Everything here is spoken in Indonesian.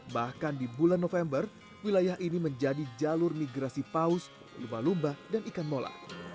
bahkan di bulan november wilayah ini menjadi jalur migrasi paus lumba lumba dan ikan mola